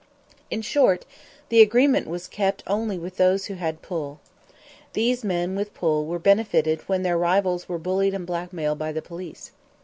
In short, the agreement was kept only with those who had "pull." These men with "pull" were benefited when their rivals were bullied and blackmailed by the police.